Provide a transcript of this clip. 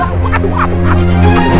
pak deh pak ustadz